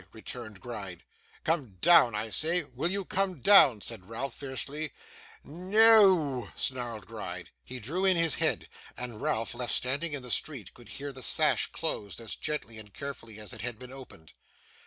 returned Gride. 'Come down, I say. Will you come down?' said Ralph fiercely. 'No o o oo,' snarled Gride. He drew in his head; and Ralph, left standing in the street, could hear the sash closed, as gently and carefully as it had been opened.